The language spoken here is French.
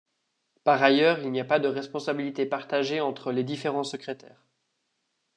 Par ailleurs, il n'y a pas de responsabilité partagée entre les différents secrétaires.